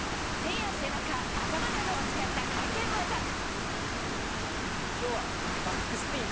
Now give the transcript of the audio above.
手や背中、頭などを使った回転技。